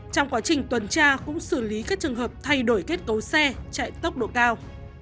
trong quá trình tuần tra cũng xử lý các trường hợp thay đổi kết cấu xe chạy tốc độ cao